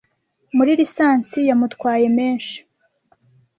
muri lisansi yamutwaye menshi